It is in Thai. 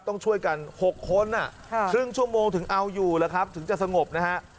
ต้องช่วยกัน๖คนครึ่งชั่วโมงถึงเอาอยู่แล้วครับถึงจะสงบนะฮะ